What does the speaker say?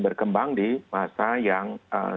berkembang di masa yang